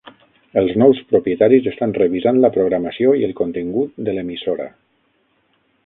Els nous propietaris estan revisant la programació i el contingut de l'emissora.